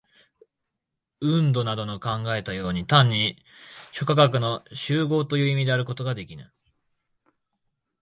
ヴントなどの考えたように、単に諸科学の綜合という意味であることができぬ。